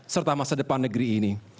serta masa depan negeri ini